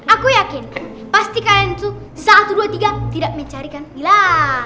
aku yakin pasti kalian tuh satu dua tiga tidak mencarikan gila